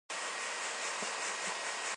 反起反落